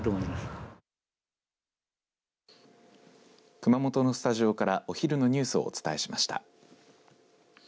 熊本のスタジオからお昼のニュースをお伝えしました。